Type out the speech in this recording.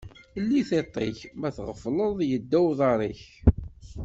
Lli tiṭ-ik, ma tɣefleḍ yedda uḍaṛ-ik.